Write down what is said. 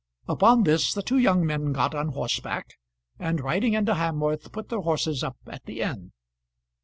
Upon this the two young men got on horseback, and riding into Hamworth, put their horses up at the inn.